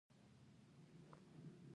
د لوڼو سره مو مینه وکړئ او پوښتنه يې وکړئ